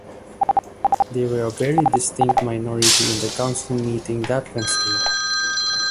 They were a very distinct minority in the Council meeting that Wednesday.